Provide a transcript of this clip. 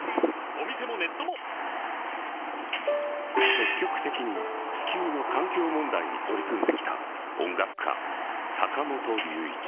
積極的に地球の環境問題に取り組んできた音楽家・坂本龍一。